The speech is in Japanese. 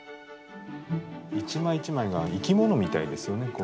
一枚一枚が生き物みたいですよね。